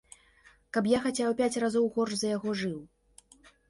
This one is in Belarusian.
Каб я хаця ў пяць разоў горш за яго жыў.